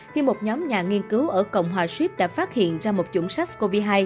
khi một nhóm nhà nghiên cứu ở cộng hòa ship đã phát hiện ra một chủng sars cov hai